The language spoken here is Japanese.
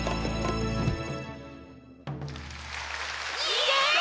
イエイ！